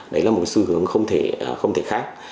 đấy là một xu hướng không thể khác